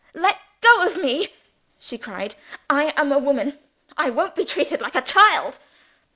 "Let go of me!" she cried. "I am a woman I won't be treated like a child."